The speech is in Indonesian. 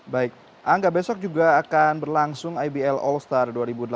baik angga besok juga akan berlangsung ibl all star dua ribu delapan belas